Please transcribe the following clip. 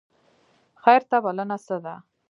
خیر ته بلنه څه ده؟